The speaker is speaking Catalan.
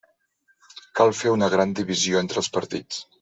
Cal fer una gran divisió entre els partits.